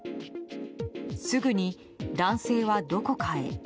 すぐに男性はどこかへ。